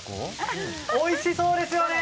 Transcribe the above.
おいしそうですよね！